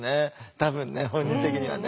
多分ね本人的にはね。